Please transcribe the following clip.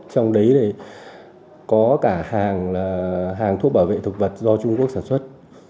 trong đấy có cả hàng thuốc bảo vệ thực vật do trung quốc sản xuất